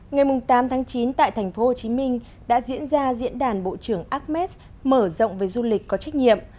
ngày tám tháng chín tại tp hcm đã diễn ra diễn đàn bộ trưởng ames mở rộng về du lịch có trách nhiệm